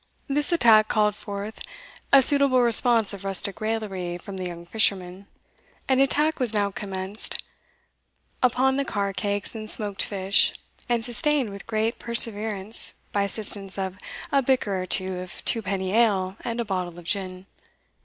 This attack called forth a suitable response of rustic raillery from the young fisherman. An attack was now commenced upon the car cakes and smoked fish, and sustained with great perseverance by assistance of a bicker or two of twopenny ale and a bottle of gin.